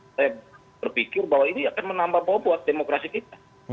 saya berpikir bahwa ini akan menambah bobot demokrasi kita